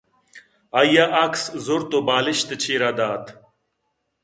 آئیءَعکس زُرت ءُبالشت ءِ چیر ءَ دات